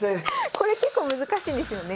これ結構難しいんですよね。